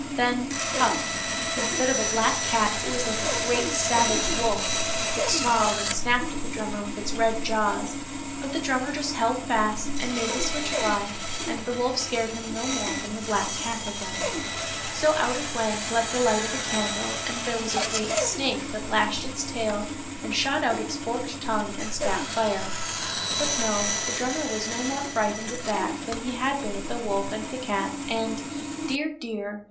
Then — puff !— instead of a black cat it was like a great, savage wolf, that snarled and snapped at the drummer with its red jaws ; but the drummer just held fast and made the switch fly, and the wolf scared him no more than the black cat had done. So out it went, like a light of a candle, and there was a great snake that lashed its tail and shot out its forked tongue and spat fire. But no; the drummer was no more frightened at that than he had been at the wolf and the cat, and, dear, dear !